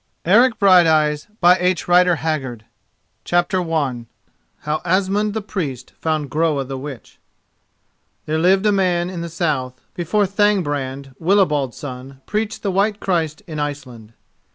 ERIC BRIGHTEYES CHAPTER I HOW ASMUND THE PRIEST FOUND GROA THE WITCH There lived a man in the south, before Thangbrand, Wilibald's son, preached the White Christ in Iceland.